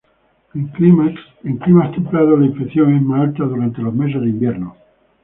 En climas templados la infección es más alta durante los meses de invierno.